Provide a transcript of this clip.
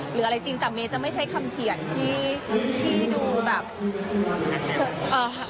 หรืออะไรจริงแต่เม้จะไม่ใช่คำเขียนที่ดูแบบ